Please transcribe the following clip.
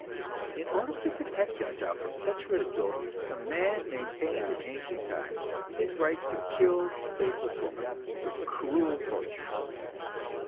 In order to protect himself from such ridicule, the man maintained in ancient times his right to kill the faithless woman with cruel tortures.